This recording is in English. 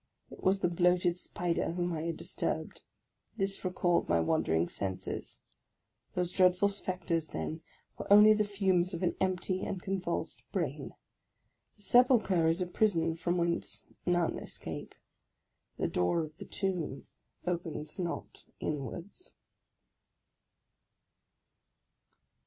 It was the bloated spider, whom I had disturbed. This recalled my wandering senses. Those dreadful spectres, then, were only the fumes of an empty and convulsed brain. The sepulchre is a prison from whence none escape. The door of the tomb opens not inwards